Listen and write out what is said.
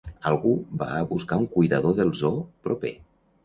Algú va a buscar un cuidador del zoo proper.